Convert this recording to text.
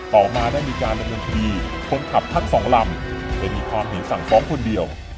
ต่อมาได้มีการดำเนินคดีคนขับทั้งสองลำได้มีความเห็นสั่งฟ้องคนเดียว